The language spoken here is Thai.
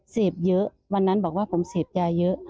เสพเยอะวันนั้นบอกว่าผมเสพยาเยอะ